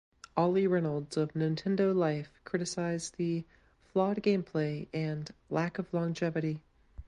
Ollie Reynolds of "Nintendo Life" criticized the "flawed gameplay" and "lack of longevity".